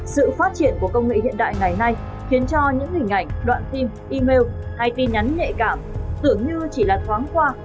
sự phát triển của công nghệ hiện đại ngày nay khiến cho những hình ảnh đoạn phim email hay tin nhắn nhạy cảm tưởng như chỉ là thoáng qua